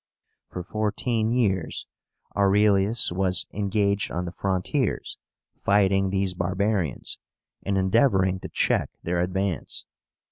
For fourteen years Aurelius was engaged on the frontiers fighting these barbarians, and endeavoring to check their advance.